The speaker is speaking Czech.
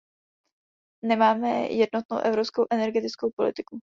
Nemáme jednotnou evropskou energetickou politiku.